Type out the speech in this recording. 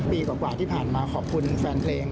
ปีกว่าที่ผ่านมาขอบคุณแฟนเพลง